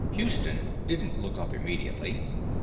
_ Houston didn't look up immediately.